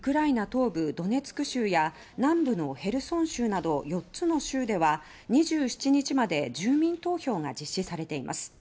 東部ドネツク州や南部のヘルソン州など４つの州では２７日まで住民投票が実施されています。